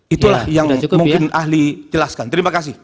itulah yang mungkin ahli jelaskan terima kasih